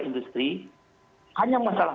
industri hanya masalah